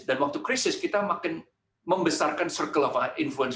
dan waktu krisis kita makin membesarkan circle of influence